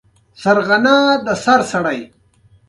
ازادي راډیو د روغتیا د تحول لړۍ تعقیب کړې.